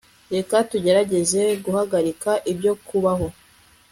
Reka tugerageze guhagarika ibyo kubaho